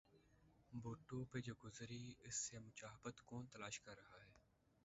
بھٹو پہ جو گزری اس سے مشابہت کون تلاش کر رہا ہے؟